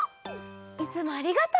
いつもありがとう！